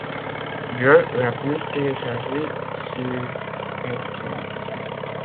Dre la plus téléchargée sur iTunes.